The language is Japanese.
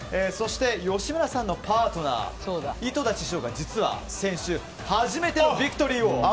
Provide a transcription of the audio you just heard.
そして吉村さんのパートナー井戸田師匠が実は先週、初めてのビクトリーを。